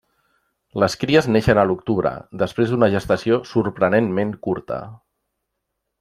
Les cries neixen a l'octubre, després d'una gestació sorprenentment curta.